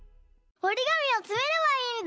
おりがみをつめればいいんだ。